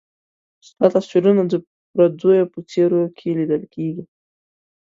ستا تصويرونه د پرديو په څيرو کي ليدل